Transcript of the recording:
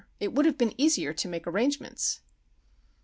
It would have been easier to make arrangements."